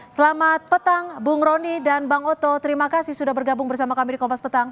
selamat petang bung roni dan bang oto terima kasih sudah bergabung bersama kami di kompas petang